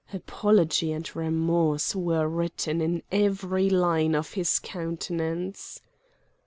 Apology and remorse were written in every line of his countenance.